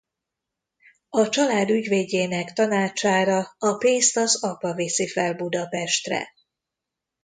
A család ügyvédjének tanácsára a pénzt az apa viszi fel Budapestre.